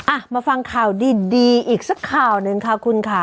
อ่ะมาฟังข่าวดีอีกสักข่าวหนึ่งค่ะคุณค่ะ